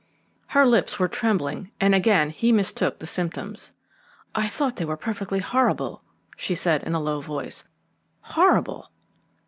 Her lips were trembling, and again he mistook the symptoms. "I thought they were perfectly horrible," she said in a low voice. "Horrible!"